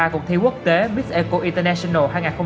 cùng thi quốc tế mixed eco international